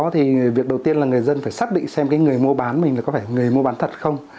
thì việc đầu tiên là người dân phải xác định xem cái người mua bán mình là có phải người mua bán thật không